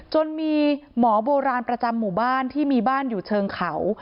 จนมีหมอโบราณประจำหมู่บ้านที่มีบ้านอยู่เชิงเขา